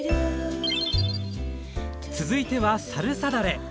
続いてはサルサだれ。